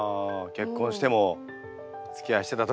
結婚してもおつきあいしてた時も。